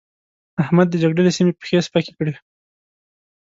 احمد د جګړې له سيمې پښې سپکې کړې.